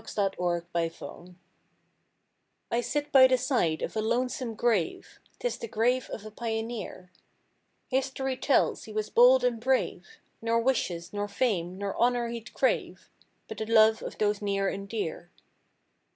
THE GRAVE I'D HAVE I sit by the side of a lonesome grave— 'Tis the grave of a pioneer; History tells he was bold and brave; Nor wishes, nor fame, nor honor he'd crave; But the love of those near and dear.